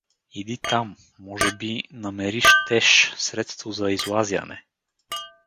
Иди там, може би… намери щеш… средство за излазяне.